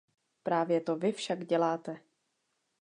Právě to vy však děláte.